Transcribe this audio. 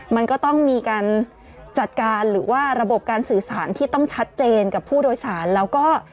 มันก็ต้องมีการจัดการหรือว่าระบบการสื่อสารที่ต้องชัดเจนกับผู้โดยสารแล้วก็